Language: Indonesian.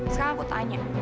sekarang aku tanya